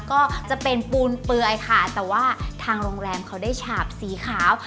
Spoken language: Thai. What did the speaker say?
ก็จะเป็นปูนเปลือยค่ะแต่ว่าทางโรงแรมเขาได้ฉาบสีขาว